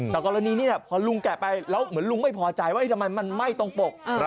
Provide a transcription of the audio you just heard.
แต่กรณีนี้พอลุงแกะไปแล้วเหมือนลุงไม่พอใจว่าทำไมมันไม่ตรงปก